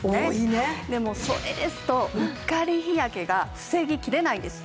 でもそれですとうっかり日焼けが防ぎきれないんです。